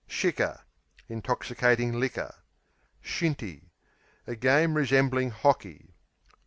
Shicker Intoxicating liquor. Shinty A game resembling hockey.